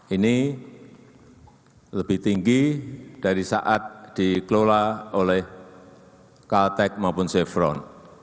ini lebih tinggi dari saat dikelola oleh caltek maupun chevron